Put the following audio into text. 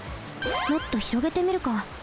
もっとひろげてみるか。